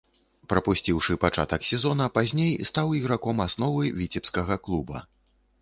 Прапусціўшы пачатак сезона, пазней стаў іграком асновы віцебскага клуба.